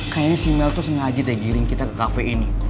kayaknya simale tuh sengaja deh giring kita ke kafe ini